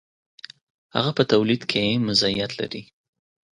هغه په تولید کې مزیت لري.